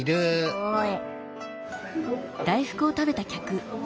すごい。